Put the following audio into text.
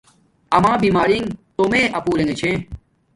اما بیمارنݣ تومے اپو ارنگے چھے